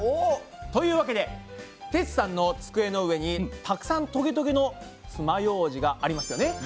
というわけでテツさんの机の上にたくさんトゲトゲのつまようじがありますよね。